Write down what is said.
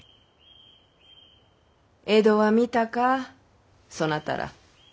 江戸は見たかそなたら。